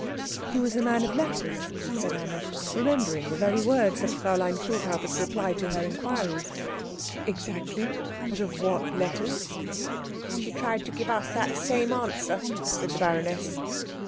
"He was a man of letters," said Anna, remembering the very words of Fräulein Kuhräuber's reply to her inquiries. "Exactly. But of what letters?" "She tried to give us that same answer," said the baroness.